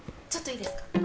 ちょっといいですか？